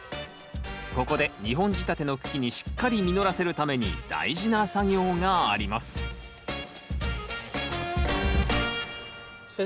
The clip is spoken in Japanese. ここで２本仕立ての茎にしっかり実らせるために大事な作業があります先生